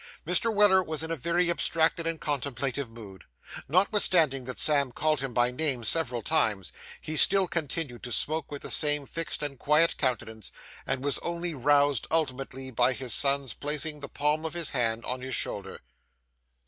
Mr. Weller was in a very abstracted and contemplative mood. Notwithstanding that Sam called him by name several times, he still continued to smoke with the same fixed and quiet countenance, and was only roused ultimately by his son's placing the palm of his hand on his shoulder.